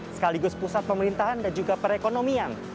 sekaligus pusat pemerintahan dan juga perekonomian